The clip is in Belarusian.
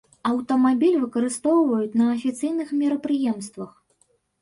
Аўтамабіль выкарыстоўваюць на афіцыйных мерапрыемствах.